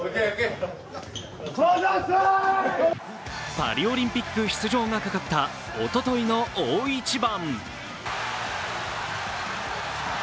パリオリンピック出場がかかったおとといの大一番。